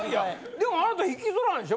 でもあなた引きずらないでしょ？